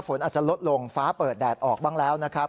ฝนอาจจะลดลงฟ้าเปิดแดดออกบ้างแล้วนะครับ